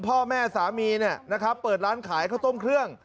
พ่อแม่สามีเปิดร้านขายข้าวต้มเครื่อง